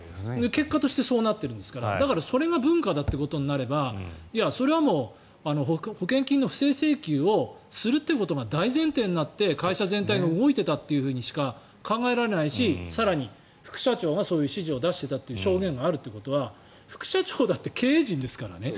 結果としてそうなっているわけですからだから、それが文化となればそれはもう、保険金の不正請求をするっていうことが大前提になって会社全体が動いていたとしか考えられないし更に副社長がそういう指示を出していたという証言があるということは副社長だって経営陣ですからね。